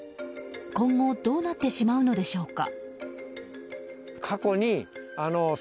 今後どうなってしまうのでしょうか。